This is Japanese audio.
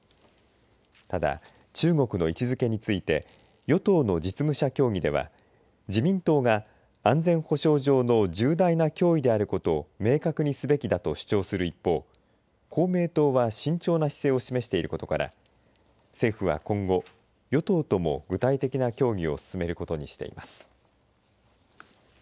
ただ、中国の位置づけについて与党の実務者協議では自民党が安全保障上の重大な脅威であることを明確にすべきだと主張する一方公明党は慎重な姿勢を示していることから政府は今後、与党とも具体的な協議を進めることにしています。